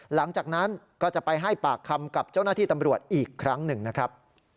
หลังจากนั้นก็จะไปให้ปากคำกับเจ้าหน้าที่ตำรวจอีกครั้งหนึ่งนะครับ